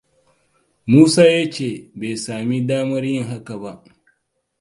Musa ya ce bai sami damar yin haka ba.